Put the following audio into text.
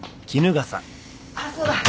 あっそうだ。